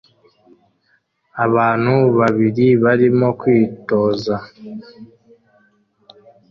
Abantu babiri barimo kwitoza